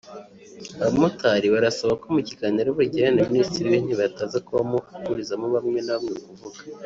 Abamotari barasaba ko Mukiganiro bari bugirane na Minisitiri w’Intebe hataza kubaho kuburizamo bamwe nabamwe kuvuga